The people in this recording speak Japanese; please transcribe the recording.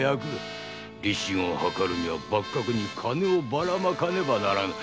立身を図るには幕閣に金をばらまかねばならぬ。